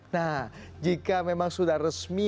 nah jika memang sudah resmi